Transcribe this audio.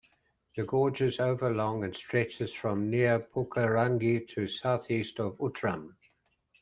The gorge is over long and stretches from near Pukerangi to southeast of Outram.